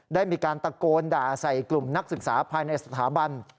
ได้มีการตะโกนด่าใส่กลุ่มนักศึกษาภายในสถาบัน